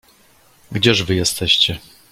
"Gdzież wy jesteście?"